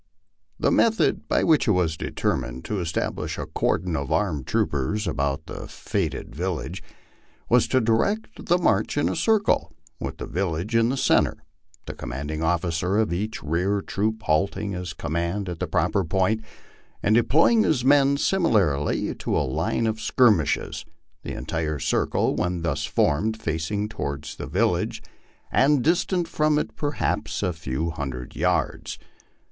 The method by which it was determined to establish a cordon of armed troopers about the fated village, was to direct the march in a circle, with the village in the centre, the commanding officer of each rear troop halting his command at the proper point, and deploying his men similarly to a line of skirmishers the entire circle, when thus formed, facing toward the village, and distant from it perhaps a few hundred yards.